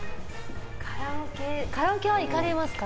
カラオケは行かれますか？